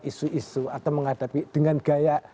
isu isu atau menghadapi dengan gaya